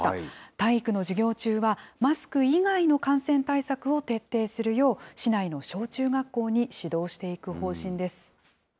体育の授業中は、マスク以外の感染対策を徹底するよう、市内の小中学校に指導していく方針です。